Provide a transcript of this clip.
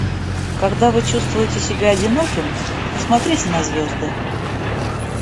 Когда вы чувствуете себя одиноким, посмотрите на звезды.